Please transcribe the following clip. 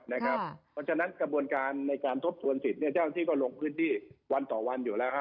เพราะฉะนั้นกระบวนการทบสวนสิทธิ์ลงที่ก็ลงที่วันต่อวันอยู่แล้ว